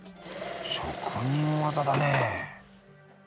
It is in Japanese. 職人技だね。